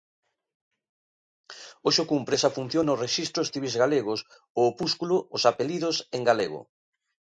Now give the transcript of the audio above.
Hoxe cumpre esa función nos rexistros civís galegos o opúsculo Os apelidos en galego.